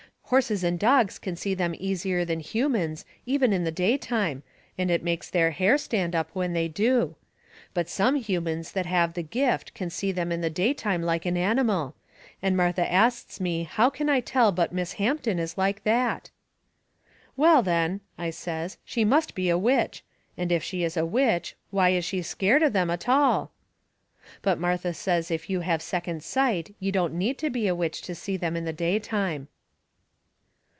Horses and dogs can see them easier than humans, even in the daytime, and it makes their hair stand up when they do. But some humans that have the gift can see them in the daytime like an animal. And Martha asts me how can I tell but Miss Hampton is like that? "Well, then," I says, "she must be a witch. And if she is a witch why is she scared of them a tall?" But Martha says if you have second sight you don't need to be a witch to see them in the daytime.